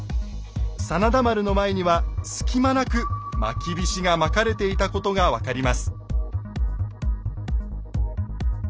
真田丸の前には隙間なくまきびしがまかれていたことが分かります。